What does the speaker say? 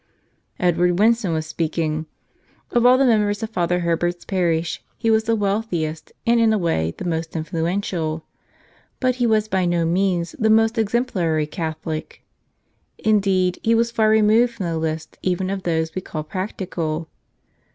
Edward Winson was speaking. Of all the members of Father Herbert's parish he was the wealthiest and, in a way, the most influential. But he was by no means the most exemplary Catholic; indeed, he was far removed from the list even of those we call practical.